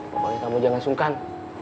pokoknya kamu jangan sungkan